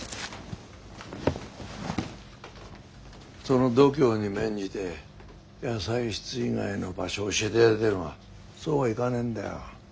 その度胸に免じて野菜室以外の場所教えてやりたいがそうはいかねえんだよ。